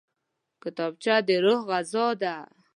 کتابچه د روح غذا ده